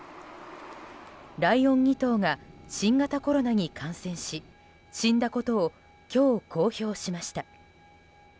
ライオン２頭が新型コロナに感染し死んだことを今日、公表しました。